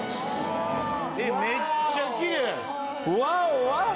えっめっちゃきれい！